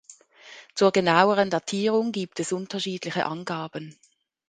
Zur genaueren Datierung gibt es unterschiedliche Angaben.